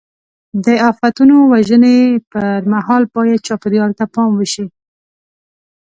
د آفتونو وژنې پر مهال باید چاپېریال ته پام وشي.